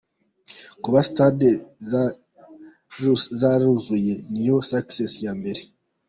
Kuba Stade zaruzuye niyo success ya mbere.